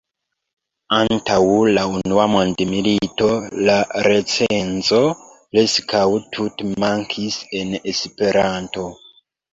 Antaŭ la unua mondmilito la recenzo preskaŭ tute mankis en Esperanto.